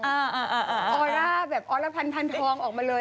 ออร่าแบบออรพันธ์ทองออกมาเลย